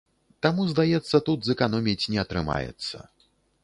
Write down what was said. Таму, здаецца, тут зэканоміць не атрымаецца.